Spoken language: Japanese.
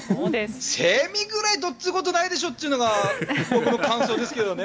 セミぐらいどうっつうことないでしょうというのが僕の感想ですけどね。